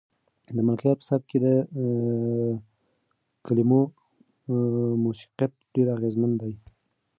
د ملکیار په سبک کې د کلمو موسیقیت ډېر اغېزمن دی.